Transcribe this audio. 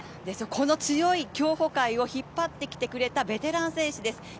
この強い競歩界を引っ張ってきてくれたベテラン選手です。